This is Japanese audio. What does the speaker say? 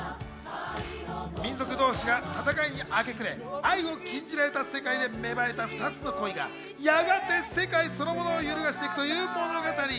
民族同士が戦いに明け暮れ、愛を禁じられた世界で芽生えた２つの恋がやがて世界そのものを揺るがしていくという物語。